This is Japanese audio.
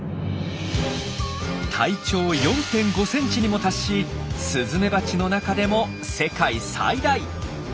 体長４．５ｃｍにも達しスズメバチの中でも世界最大。